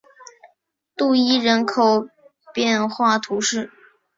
杜伊人口变化图示